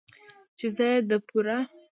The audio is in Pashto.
،چې زه يې د پوره